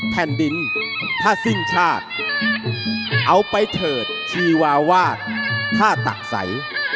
แผ่นดินถ้าสิ้นชาติเอาไปเถิดชีวาวาสท่าตักใส